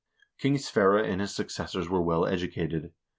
King Sverre and his successors were well educated.